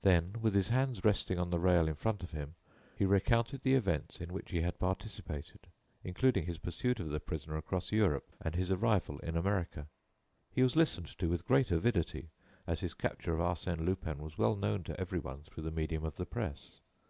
Then, with his hands resting on the rail in front of him, he recounted the events in which he had participated, including his pursuit of the prisoner across Europe and his arrival in America. He was listened to with great avidity, as his capture of Arsène Lupin was well known to everyone through the medium of the press.